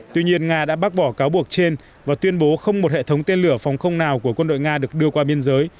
tuy nhiên nga đã bác bỏ cáo buộc trên và tuyên bố không một hệ thống tên lửa phòng không nào của quân đội nga được đưa qua biên giới